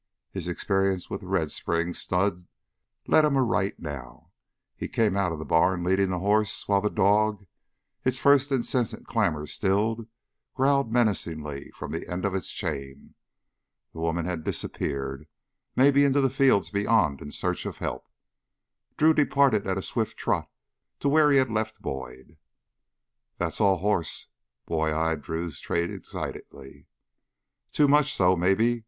His experience with the Red Springs stud led him aright now. He came out of the barn leading the horse while the dog, its first incessant clamor stilled, growled menacingly from the end of its chain. The woman had disappeared, maybe into the fields beyond in search of help. Drew departed at a swift trot to where he had left Boyd. "That's all horse!" Boyd eyed Drew's trade excitedly. "Too much so, maybe.